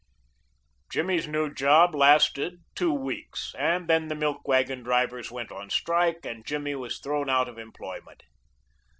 Jimmy's new job lasted two weeks, and then the milk wagon drivers went on strike and Jimmy was thrown out of employment.